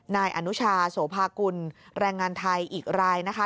นายอนุชาโสภากุลแรงงานไทยอีกรายนะคะ